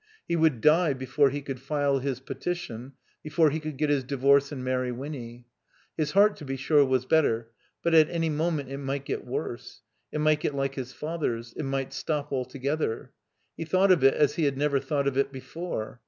He would die before he could file his petition, before he could get his divorce and marry Winny. His heart to be sure was better; but at any moment it might get worse. It might get like his father's. It might stop alto gether. He thought of it as he had never thought of it before.